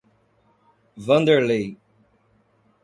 Wanderley